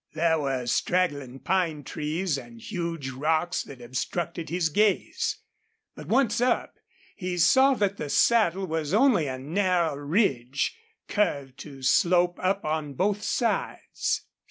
There were straggling pine trees and huge rocks that obstructed his gaze. But once up he saw that the saddle was only a narrow ridge, curved to slope up on both sides.